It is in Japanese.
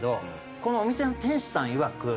このお店の店主さんいわく